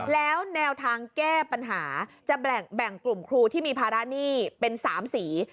แล้วแนวทางแก้ปัญหาจะแบ่งกลุ่มครูที่มีภาระหนี้เป็น๓สี